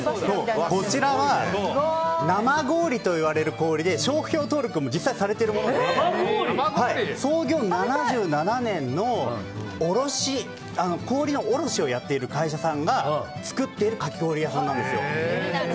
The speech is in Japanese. こちらは生氷といわれる氷で商標登録も実際されているもので創業７７年の氷の卸をやっている会社さんが作っているかき氷屋さんなんです。